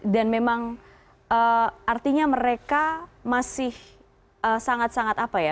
dan memang artinya mereka masih sangat sangat apa ya